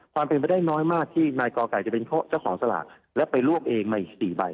ความเป็นไปได้น้อยมากที่นายกอไก่จะเป็นเจ้าของสลากและไปรวบเองในอีก๔ใบ